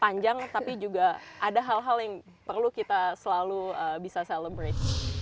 panjang tapi juga ada hal hal yang perlu kita selalu bisa celebrate